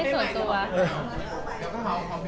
สวัสดีครับ